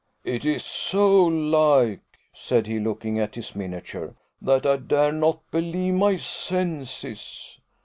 "It is so like," said he, looking at his miniature, "that I dare not believe my senses.